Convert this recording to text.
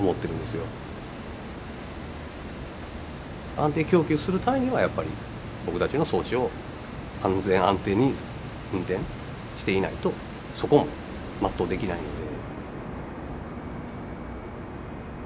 安定供給するためにはやっぱり僕たちの装置を安全・安定に運転していないとそこも全うできないので。